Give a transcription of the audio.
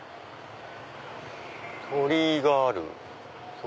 鳥居があるぞ。